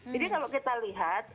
jadi kalau kita lihat